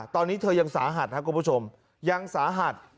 ตอนนี้เธอยังสาหัสครับคุณผู้ชมยังสาหัส